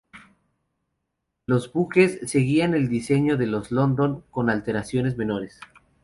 Los buques, seguían el diseño de los "London" con alteraciones menores.